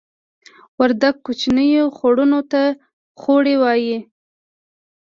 وردګ کوچنیو خوړونو ته خوړۍ وایې